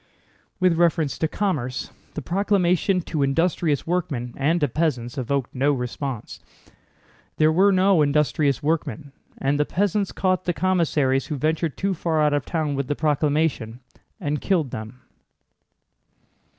With reference to commerce, the proclamation to industrious workmen and to peasants evoked no response. There were no industrious workmen, and the peasants caught the commissaries who ventured too far out of town with the proclamation and killed them.